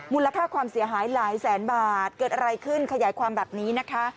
มูลค่าความเสียหายหลายแสนบาทเกิดอะไรขึ้นขยายความแบบนี้นะคะ